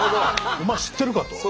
お前知ってるか？と。